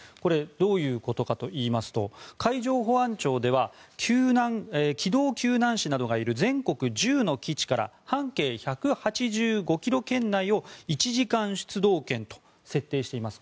どういうことかといいますと海上保安庁では機動救難士などがいる全国１０の基地から半径１８５ｋｍ圏内を１時間出動圏と設定しています。